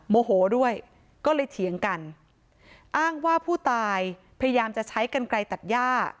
โมโหด้วยก็เลยเถียงกันอ้างว่าผู้ตายพยายามจะใช้กันไกลตัดย่า